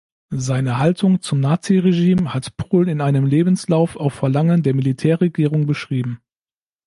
Seine Haltung zum Nazi-Regime hat Pohl in einem Lebenslauf auf Verlangen der Militärregierung beschrieben.